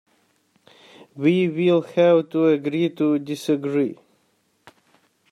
We will have to agree to disagree